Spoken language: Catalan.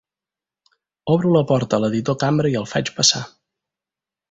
Obro la porta a l'editor Cambra i el faig passar.